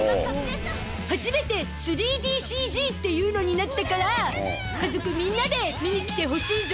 初めて３ＤＣＧっていうのになったから家族みんなで見に来てほしいゾ！